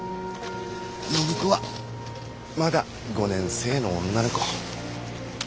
暢子はまだ５年生の女の子。